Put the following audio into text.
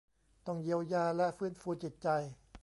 ต้องเยียวยาและฟื้นฟูจิตใจ